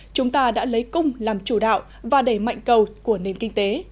chúng ta đã lấy cung làm chủ đạo và đẩy mạnh cầu của nền kinh tế